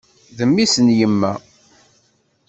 D mmi-s n yemma.